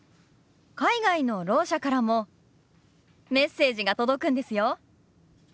海外のろう者からもメッセージが届くんですよ。